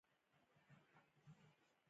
تواب سړه سا ایسته پر ډبره کېناست.